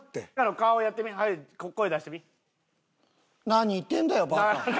何言ってんだよバカ。